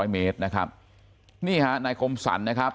เมตรนะครับนี่ฮะนายคมสรรนะครับ